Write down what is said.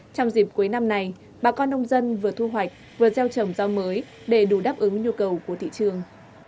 trong dịp cuối năm này bà con nông dân vừa thu hoạch vừa gieo trồng rau mới để đủ đáp ứng nhu cầu của thị trường